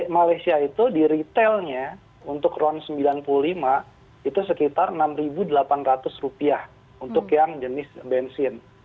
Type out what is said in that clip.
malaysia itu di retailnya untuk ron sembilan puluh lima itu sekitar rp enam delapan ratus untuk yang jenis bensin